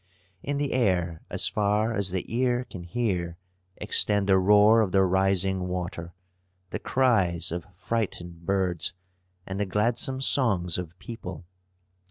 In the air, as far as the ear can hear, extend the roar of the rising water, the cries of frightened birds, and the gladsome songs of people.